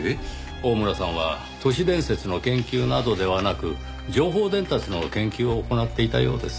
大村さんは都市伝説の研究などではなく情報伝達の研究を行っていたようです。